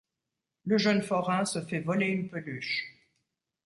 Le jeune forain se fait voler une peluche.